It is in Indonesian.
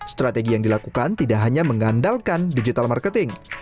strategi yang dilakukan tidak hanya mengandalkan digital marketing